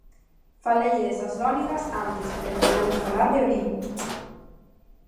Faleille de Sasdónigas antes, pero podemos falar do Oribio.